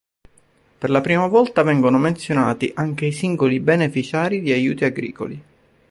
Per la prima volta vengono menzionati anche i singoli beneficiari di aiuti agricoli.